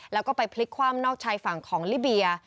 แล้วก็ไปพลิกคว่ำนอกชายฝั่งของลิเบีย